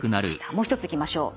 もう一ついきましょう。